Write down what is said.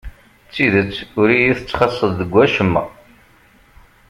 D tidet ur iyi-tesxaṣṣeḍ deg wacemma.